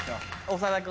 長田君。